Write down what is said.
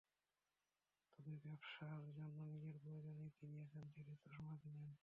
তবে ব্যবসার জন্য নয়, নিজের প্রয়োজনেই তিনি এখান থেকে চশমা কেনেন।